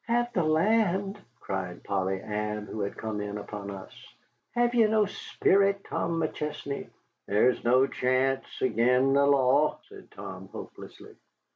"Hev the land?" cried Polly Ann, who had come in upon us. "Hev ye no sperrit, Tom McChesney?" "There's no chance ag'in the law," said Tom, hopelessly.